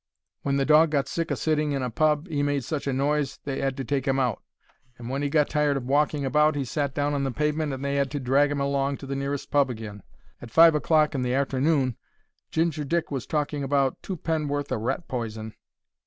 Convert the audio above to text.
When the dog got sick o' sitting in a pub 'e made such a noise they 'ad to take 'im out; and when 'e got tired o' walking about he sat down on the pavement and they 'ad to drag 'im along to the nearest pub agin. At five o'clock in the arternoon Ginger Dick was talking about two penn'orth o' rat poison.